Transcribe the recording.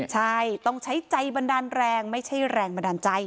ใช่ต้องใช้ใจบันดาลแรงไม่ใช่แรงบันดาลใจ